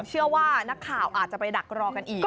เชื่อว่านักข่าวอาจจะไปดักรอกันอีก